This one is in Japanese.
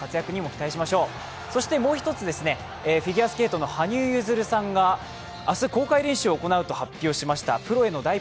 そしてもう一つ、フィギュアスケートの羽生結弦さんが明日公開練習を行うと発表しました。